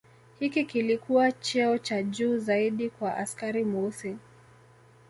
Hiki kilikua cheo cha juu zaidi kwa askari Mweusi